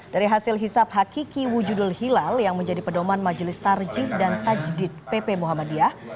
dari hasil hisap hakiki wujudul hilal yang menjadi pedoman majelis tarjih dan tajdid pp muhammadiyah